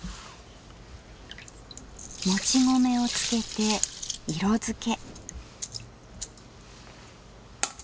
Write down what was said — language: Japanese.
もち米をつけて色付け。